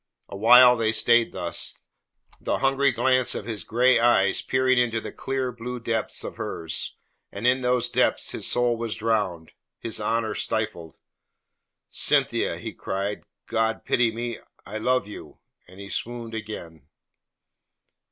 A while they stayed thus; the hungry glance of his grey eyes peering into the clear blue depths of hers; and in those depths his soul was drowned, his honour stifled. "Cynthia," he cried, "God pity me, I love you!" And he swooned again.